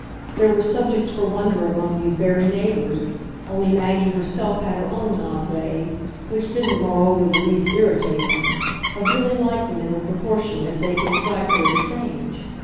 There were subjects for wonder among these very neighbours; only Maggie herself had her own odd way which didn't moreover the least irritate him of really liking them in proportion as they could strike her as strange.